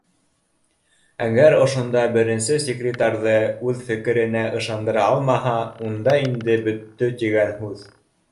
Әгәр ошонда беренсе секретарҙы үҙ фе керенә ышандыра алмаһа, унда инде боттө тигән һүҙ